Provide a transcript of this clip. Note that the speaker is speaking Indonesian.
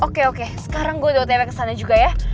oke oke sekarang gue udah ototnya kesana juga ya